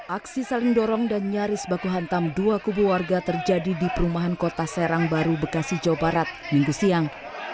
aksi saling dorong dan nyaris baku hantam dua kubu warga terjadi di perumahan kota serang baru bekasi jawa barat minggu siang